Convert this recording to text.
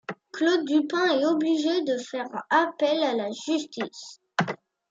Claude Dupin est obligé de faire appel à la justice.